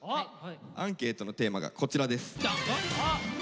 アンケートのテーマがこちらです。